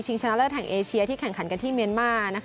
ชนะเลิศแห่งเอเชียที่แข่งขันกันที่เมียนมาร์